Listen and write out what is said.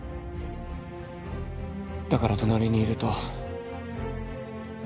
だから隣にいると